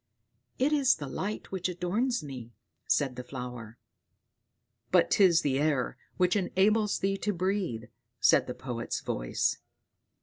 "It is the light which adorns me," said the flower. "But 'tis the air which enables thee to breathe," said the poet's voice.